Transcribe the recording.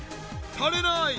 たれない！